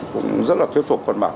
cũng rất là thuyết phục con bạc